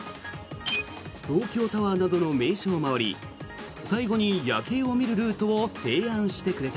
東京タワーなどの名所を回り最後に夜景を見るルートを提案してくれた。